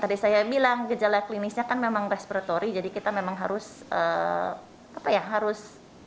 tadi saya bilang gejala klinisnya kan memang respiratory jadi kita memang harus apa ya harus